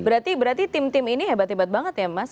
berarti tim tim ini hebat hebat banget ya mas